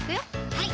はい